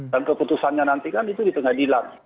dan keputusannya nantikan itu di tengah dilang